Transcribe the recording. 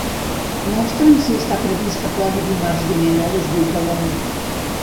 Mostra'm si està previst que plogui dimarts vinent a les vuit de la nit.